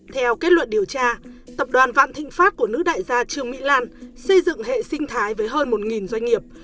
theo kết luận điều tra tập đoàn vạn thịnh pháp của nữ đại gia trương mỹ lan xây dựng hệ sinh thái với hơn một doanh nghiệp